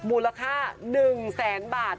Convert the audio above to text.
มูลค่า๑๐๐๐๐๐บาท